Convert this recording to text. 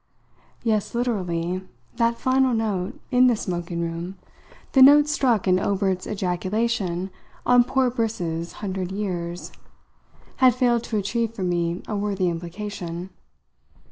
Yes, literally, that final note, in the smoking room, the note struck in Obert's ejaculation on poor Briss's hundred years, had failed to achieve for me a worthy implication.